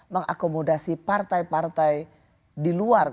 mengakomodasi partai partai di luar